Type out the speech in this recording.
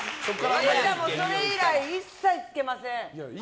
私はそれ以来一切つけません。